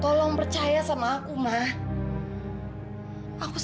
tapi ada juga siapa yang ingin dia menerjakan